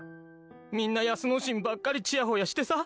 みんなやすのしんばっかりちやほやしてさ。